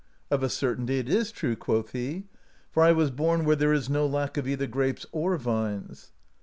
"Of a certainty it is true," quoth he, "for I was bom where there is no lack of either grapes or vines."